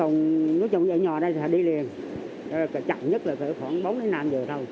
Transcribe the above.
nói chung ở nhà ở đây thì họ đi liền chậm nhất là khoảng bốn đến năm giờ thôi